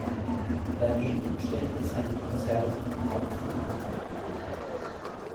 Daneben stellte sein Konzern auch Flugmotoren her.